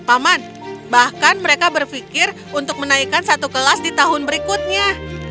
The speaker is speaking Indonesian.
paman bahkan mereka berpikir untuk menaikkan satu kelas di tahun berikutnya